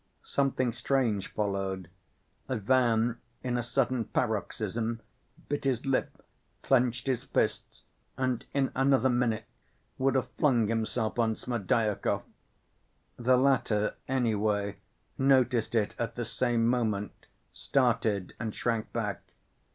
Something strange followed. Ivan, in a sudden paroxysm, bit his lip, clenched his fists, and, in another minute, would have flung himself on Smerdyakov. The latter, anyway, noticed it at the same moment, started, and shrank back.